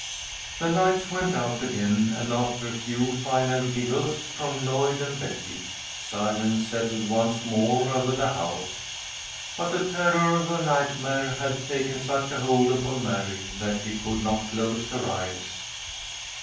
The lights went out again, and after a few final giggles from Lloyd and Betty, silence settled once more over the house. But the terror of the nightmare had taken such hold upon Mary that she could not close her eyes.